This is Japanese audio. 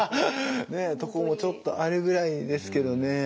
とこもちょっとあるぐらいですけどね。